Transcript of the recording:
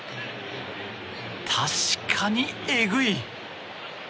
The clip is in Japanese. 確かにエグい！